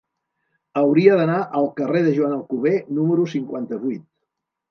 Hauria d'anar al carrer de Joan Alcover número cinquanta-vuit.